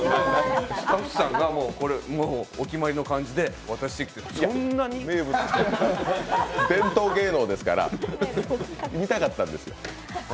スタッフさんがお決まりの感じで渡してきて伝統芸能ですから見たかったんです。